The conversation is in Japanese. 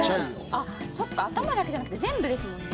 あっそっか頭だけじゃなくて全部ですもんね？